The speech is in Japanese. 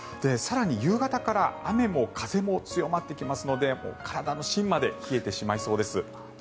更に、夕方から雨も風も強まってきますので体の芯まで冷えてしまいそうです。